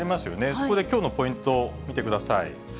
そこできょうのポイント、見てください。